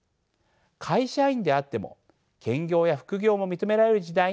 会社員であっても兼業や副業も認められる時代になっています。